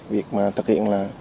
việc mà thực hiện là